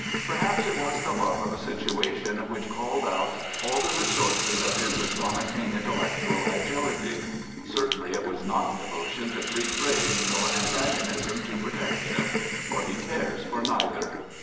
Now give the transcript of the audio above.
Perhaps it was the love of a situation which called out all the resources of his astonishing intellectual ag^ty. Certainly it was not devotion to Free Trade nor antagonism to Protection, for he cares for neither.